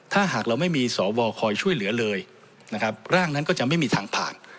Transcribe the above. ถ้าหากเราไม่มีสวคอยช่วยเหลือเลยนะครับร่างนั้นก็จะไม่มีทางผ่าน